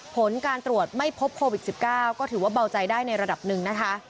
ผลการตรวจไม่พบโควิด๑๙ก็ถือว่าเบาใจได้ในระดับหนึ่งนะคะ